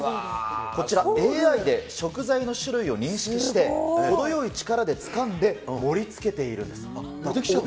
こちら、ＡＩで食材の種類を認識して、程よい力でつかんで、できちゃうの？